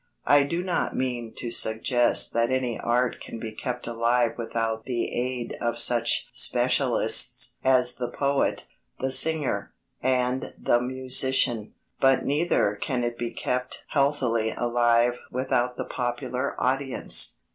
I do not mean to suggest that any art can be kept alive without the aid of such specialists as the poet, the singer, and the musician; but neither can it be kept healthily alive without the popular audience.